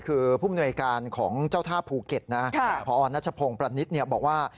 คือผู้มนวยการของเจ้าท่าภูเก็ตนะพอนัชพงศ์ประนิษฐ์บอกว่า